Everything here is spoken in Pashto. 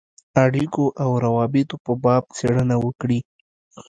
اړېکو او روابطو په باب څېړنه وکړي.